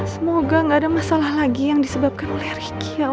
semoga nggak ada masalah lagi yang disebabkan oleh ricky ya allah